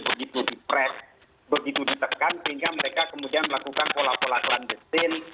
begitu di press begitu ditekan sehingga mereka kemudian melakukan kolak kolakan desin